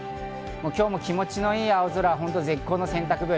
今日も気持ちのいい青空、絶好の洗濯日和。